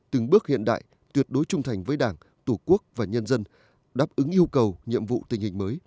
từng bước hiện đại tuyệt đối trung thành với đảng tổ quốc và nhân dân đáp ứng yêu cầu nhiệm vụ tình hình mới